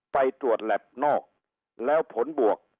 ไปตรวจแหลบนอกแล้วผลบวก